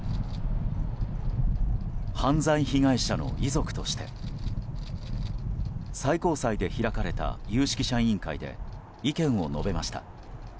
犯罪被害者の遺族として最高裁で開かれた有識者委員会で意見を述べました。